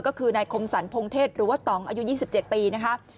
ก็คือนายคมสรรพงเทศหรือว่าต่องอายุ๒๗ปีนะคะ